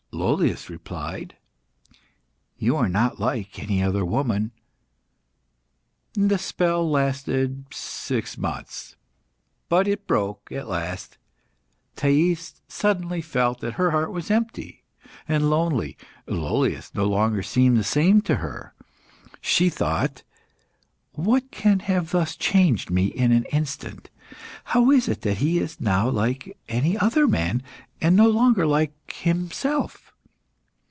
Lollius replied "You are not like any other woman." The spell lasted six months, but it broke at last. Thais suddenly felt that her heart was empty and lonely. Lollius no longer seemed the same to her. She thought "What can have thus changed me in an instant? How is it that he is now like any other man, and no longer like himself?"